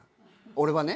俺はね。